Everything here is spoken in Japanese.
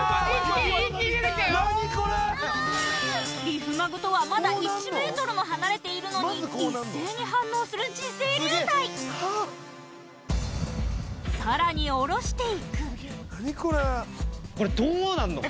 リフマグとはまだ１ｍも離れているのに一斉に反応する磁性流体さらに下ろしていくこれどうなんの？